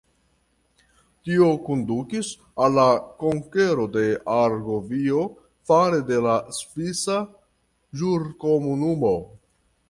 Tio kondukis al la konkero de Argovio fare de la Svisa Ĵurkomunumo.